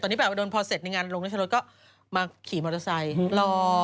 ตอนนี้แบบว่าโดนพอเสร็จในงานลงราชรสก็มาขี่มอเตอร์ไซค์รอ